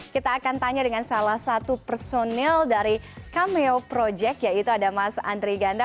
kita akan tanya dengan salah satu personil dari cameo project yaitu ada mas andri ganda